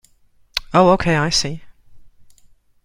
Oh okay, I see.